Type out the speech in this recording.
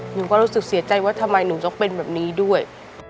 หนูก็รู้สึกเสียใจว่าทำไมหนูต้องเป็นแบบนี้ด้วย